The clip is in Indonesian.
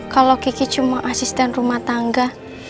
kalau kiki cuma asisten rumah tangga